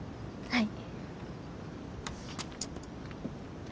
はい！